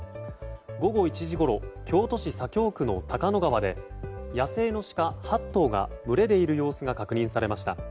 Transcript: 午後１時ごろ京都市左京区の高野川で野生のシカ８頭が群れでいる様子が確認されました。